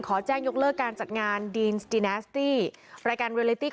ขอแจ้งยกเลิกการจัดงานดีนสดินาสตี